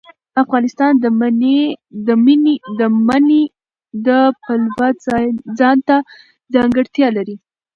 افغانستان د منی د پلوه ځانته ځانګړتیا لري.